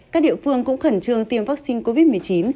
các địa phương cũng khẩn trương tiêm vaccine covid một mươi chín